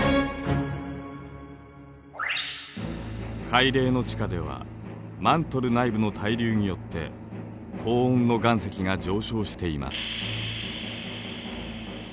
海嶺の地下ではマントル内部の対流によって高温の岩石が上昇しています。